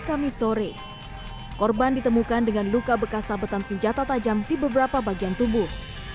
kami sore korban ditemukan dengan luka bekas sabetan senjata tajam di beberapa bagian tubuh